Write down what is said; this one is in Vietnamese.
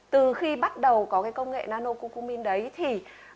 từ khi bắt đầu có cái công nghệ nano cu cu min đấy thì